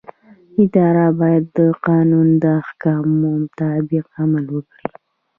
اداره باید د قانون د احکامو مطابق عمل وکړي.